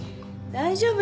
大丈夫よ。